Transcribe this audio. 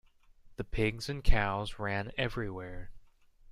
The pigs and cows ran everywhere.